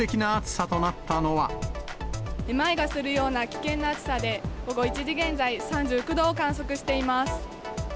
めまいがするような危険な暑さで、午後１時現在、３９度を観測しています。